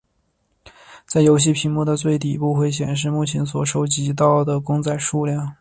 在游戏萤幕的最底部会显示目前所收集到的公仔数量。